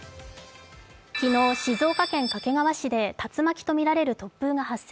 昨日静岡県掛川市で竜巻とみられる突風が発生。